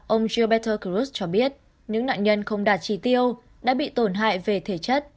ông jaberter cruz cho biết những nạn nhân không đạt trì tiêu đã bị tổn hại về thể chất